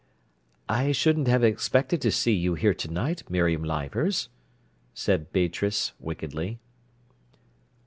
"I shouldn't have expected to see you here to night, Miriam Leivers," said Beatrice wickedly.